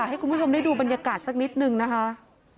ให้คุณผู้ชมได้ดูบรรยากาศสักนิดนึงนะคะ